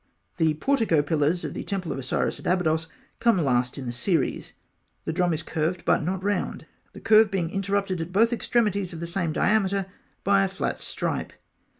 The portico pillars of the temple of Osiris at Abydos come last in the series; the drum is curved, but not round, the curve being interrupted at both extremities of the same diameter by a flat stripe.